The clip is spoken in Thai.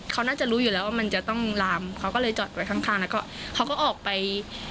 เขาน่าจะรู้อยู่แล้วว่ามันจะต้องลามเขาก็เลยจอดไว้ข้างข้างแล้วก็เขาก็ออกไป